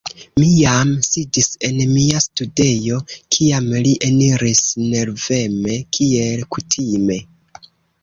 Mi jam sidis en mia studejo, kiam li eniris nerveme kiel kutime.